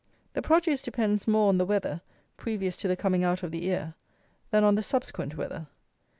The produce depends more on the weather, previous to the coming out of the ear, than on the subsequent weather.